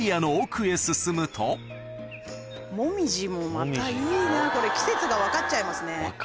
モミジもまたいいなこれ季節が分かっちゃいますね。